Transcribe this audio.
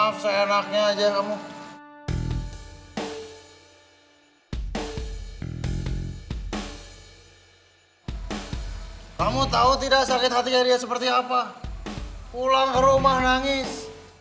pulang ke rumah nangis